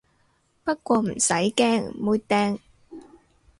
不過唔使驚，妹釘